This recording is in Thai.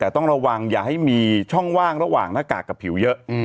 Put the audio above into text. แต่ต้องระวังอย่าให้มีช่องว่างระหว่างหน้ากากกับผิวเยอะ